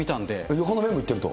横の面もいってると。